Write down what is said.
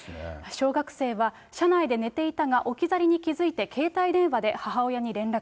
小学生は車内で寝ていたが、置き去りに気付いて携帯電話で母親に連絡。